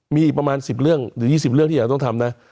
มีอีกประมาณ๑๐เรื่องหรือ๒๐เรื่องที่เราต้องทำนะ